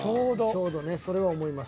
ちょうどねそれは思います。